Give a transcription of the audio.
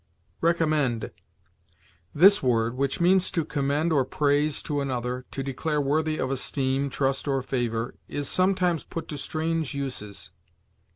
RECOMMEND. This word, which means to commend or praise to another, to declare worthy of esteem, trust, or favor, is sometimes put to strange uses.